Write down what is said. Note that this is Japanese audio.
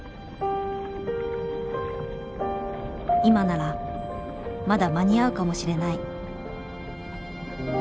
今ならまだ間に合うかもしれない。